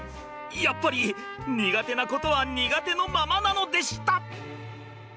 やっぱり苦手なことは苦手のままなのでした！